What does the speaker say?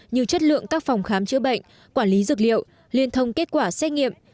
như chất lượng các phòng khám chữa bệnh quản lý dược liệu liên thông kết quả xét nghiệm